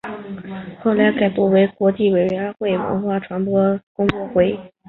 后来改组为中国国民党中央委员会文化传播工作会。